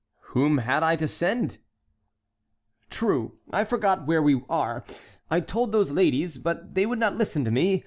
"Whom had I to send?" "True, I forgot where we are. I had told those ladies, but they would not listen to me.